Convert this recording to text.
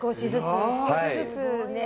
少しずつね。